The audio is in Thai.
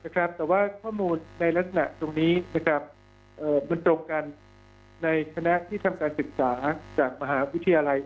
แต่ว่าข้อมูลในลักษณะตรงนี้มันตรงกันในคณะที่ทำการศึกษาจากมหาวิทยาลัย